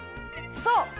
そう。